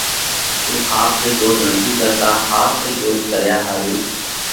اُو ۿاس رئِي ڳوت نٿِي ڪرتا۔ ۿاس رئِي ڳوت ڪريا ۿارُو